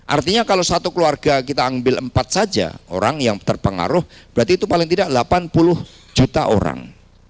artinya kalau satu keluarga kita ambil empat saja orang yang terpengaruh berarti itu paling tidak delapan puluh juta orang